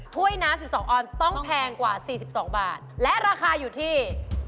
ถ้วยน้ำ๑๒ออนต้องแพงกว่า๔๒บาทและราคาอยู่ที่